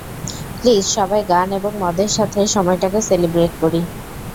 Please, সবাই গান এবং মদের সাথে, সময়টাকে সেলিব্রেট করি।